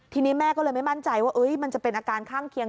ทีนี้แม่ก็เลยไม่มั่นใจว่ามันจะเป็นอาการข้างเคียง